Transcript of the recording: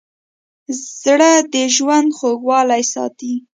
زړه د ژوند خوږوالی ساتي.